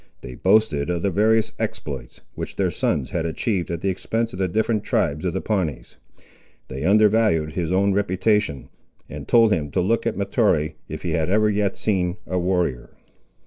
They boasted of the various exploits, which their sons had achieved at the expense of the different tribes of the Pawnees. They undervalued his own reputation, and told him to look at Mahtoree, if he had never yet seen a warrior.